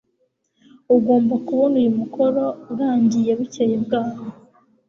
ugomba kubona uyu mukoro urangiye bukeye bwaho